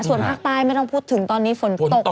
ส่วนภาคใต้ไม่ต้องพูดถึงตอนนี้ฝนตก